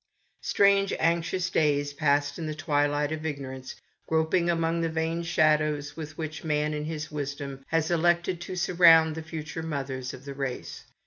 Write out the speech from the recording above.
Strange, anxious days, passed in the twi light of ignorance, groping among the vain shadows with which man in his wisdom has elected to surround the future mothers of the race.